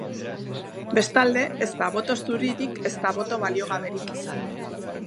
Bestalde, ez da boto zuririk ezta boto baliogaberik izan.